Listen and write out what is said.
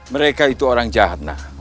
mereka itu orang jahat